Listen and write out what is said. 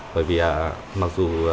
bởi vì mặc dù